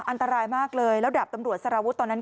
อันตรายมากเลยแล้วดาบตำรวจสารวุฒิตอนนั้น